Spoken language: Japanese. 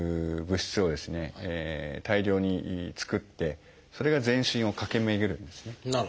大量に作ってそれが全身を駆け巡るんですね。